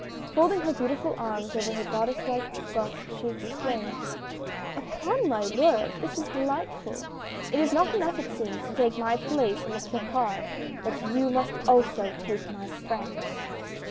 Folding her beautiful arms over her goddess like bust, she exclaimed :" Upon my word, this is delightful ! It is not enough it seems, to take my place on the placard, but you must also take my friends